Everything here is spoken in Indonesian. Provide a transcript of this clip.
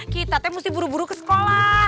kita teh mesti buru buru ke sekolah